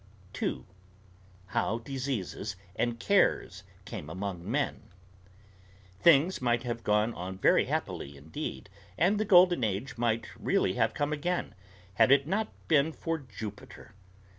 II. HOW DISEASES AND CARES CAME AMONG MEN. Things might have gone on very happily indeed, and the Golden Age might really have come again, had it not been for Jupiter.